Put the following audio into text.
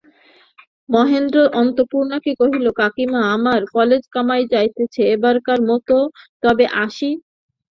মহেন্দ্র অন্নপূর্ণাকে কহিল, কাকীমা, আমার কালেজ কামাই যাইতেছে–এবারকার মতো তবে আসি।